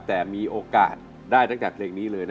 แต่มีโอกาสได้ตั้งแต่เพลงนี้เลย